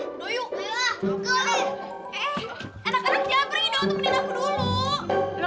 eh enak enak jangan pergi dong temenin aku dulu